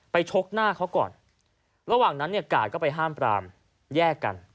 ชกหน้าเขาก่อนระหว่างนั้นเนี่ยกาดก็ไปห้ามปรามแยกกัน